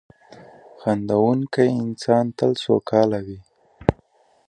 • خندېدونکی انسان تل سوکاله وي.